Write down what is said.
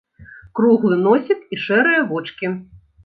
Круглы носік і шэрыя вочкі.